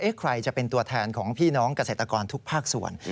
ใครจะเป็นตัวแทนของพี่น้องเกษตรกรทุกภาคส่วน